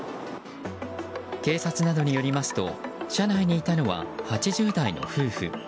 警察などによりますと車内にいたのは８０代の夫婦。